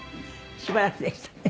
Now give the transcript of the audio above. しばらくでしたね。